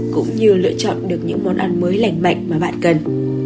cũng như lựa chọn được những món ăn mới lành mạnh mà bạn cần